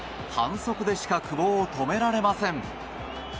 反則でしか久保を止められません。